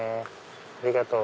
ありがとう！